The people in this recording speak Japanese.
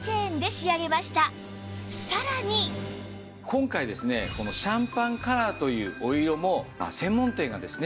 今回ですねシャンパンカラーというお色も専門店がです